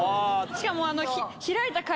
しかも。